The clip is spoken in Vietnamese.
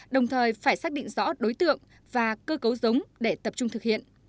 đồng thời phải xác định rõ đối tượng và cơ cấu giống để tập trung thực hiện